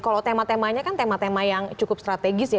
kalau tema temanya kan tema tema yang cukup strategis ya